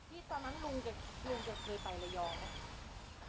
พี่ตอนนั้นลุงเกิดเคยไประยอง